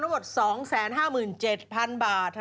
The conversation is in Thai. ธนบัตรนั้นน่ะนะเป็นธนบัตรทั้งหมด๒๕๗๐๐๐บาท